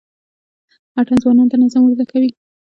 اتڼ ځوانانو ته نظم ور زده کوي.